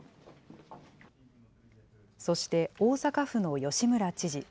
そして大阪府の吉村知事。